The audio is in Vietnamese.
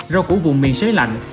rau củ vùng miền xế lạnh